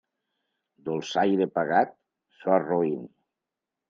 Dolçainer pagat, so roín.